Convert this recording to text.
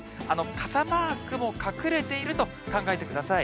傘マークも隠れていると考えてください。